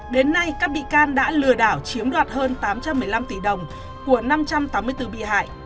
đến nay các bị can đã lừa đảo chiếm đoạt hơn tám trăm một mươi năm tỷ đồng của năm trăm tám mươi bốn bị hại